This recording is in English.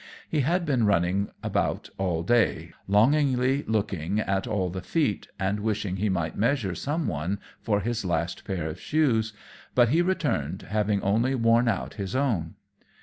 He had been running about all day, longingly looking at all the feet, and wishing he might measure some one for this last pair of shoes, but he returned, having only worn out his own.